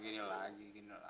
tapi ada laki laki saya yang coba